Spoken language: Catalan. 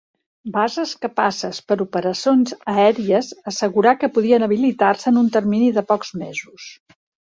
Bases capaces per operacions aèries, assegurà que podien habilitar-se en un termini de pocs mesos.